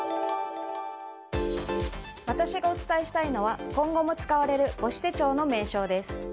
私がお伝えしたいのは今後も使われる母子手帳の名称です。